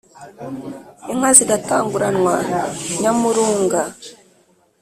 inka zigatanguranwa nyamurunga.